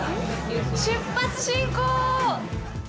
出発進行。